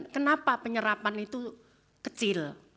kenapa penyerapan itu kecil